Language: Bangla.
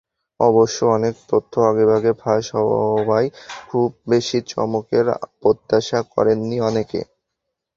অবশ্য অনেক তথ্য আগেভাগে ফাঁস হওয়ায় খুব বেশি চমকের প্রত্যাশা করেননি অনেকে।